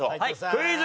クイズ。